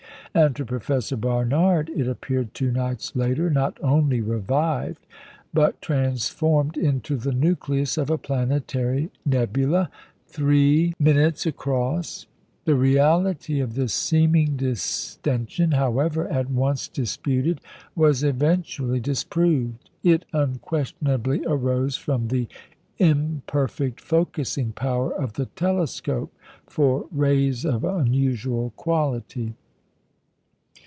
And to Professor Barnard it appeared, two nights later, not only revived, but transformed into the nucleus of a planetary nebula, 3" across. The reality of this seeming distension, however, at once disputed, was eventually disproved. It unquestionably arose from the imperfect focussing power of the telescope for rays of unusual quality.